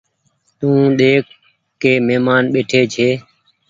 تو ۮيکو ڪي مهمآن ٻيٺي ڇي۔